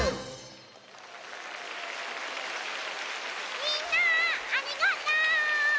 みんなありがとう！